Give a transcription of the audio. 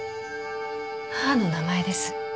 母の名前です。